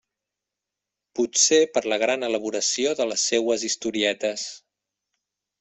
Potser per la gran elaboració de les seues historietes.